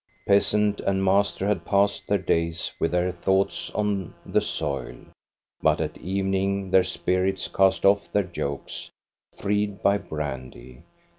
Peasant and master had passed their days with their thoughts on the soil, but at evening their spirits cast off their yokes, freed by brandy.